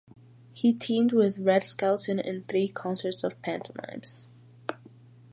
He teamed with Red Skelton in three concerts of pantomimes.